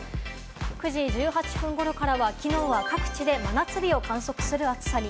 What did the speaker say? ９時１８分ごろからは、きのうは各地で真夏日を観測する暑さに。